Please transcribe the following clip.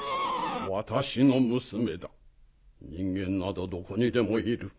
私の娘だ人間などどこにでもいる。